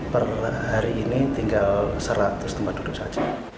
per hari ini tinggal seratus tempat duduk saja